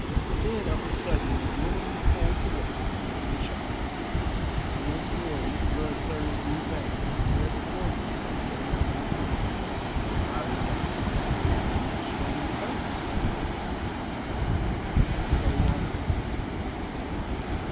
Then of a sudden the gloom passed away from the chamber, and once more his blood surged through his veins, and there before him sat Meriamun the Queen, smiling darkly. "Strange sights hast thou seen, is it not so, Wanderer?" she said.